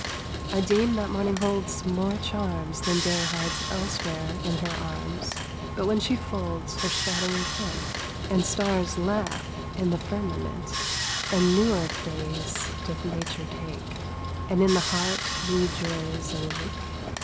I deem that morning holds more charms Than day hides elsewhere in her arms; But when she folds her shadowy tent, And stars laugh in the firmament, A newer phase doth nature take, And in the heart new joys awake.